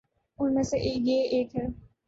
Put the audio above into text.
ان میں سے یہ ایک ہے۔